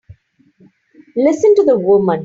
Listen to the woman!